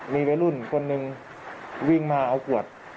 มีวัยรุ่นคนหนึ่งวิ่งมาเอาขวด